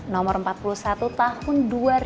nomor empat puluh satu tahun dua ribu lima belas